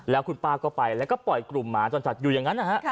แล้วคุณป้าก็ไปแล้วก็ปล่อยกลุ่มหมาจรจัดอยู่อย่างนั้นนะฮะ